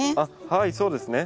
はいそうですね。